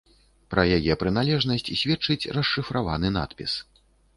Пра яе прыналежнасць сведчыць расшыфраваны надпіс.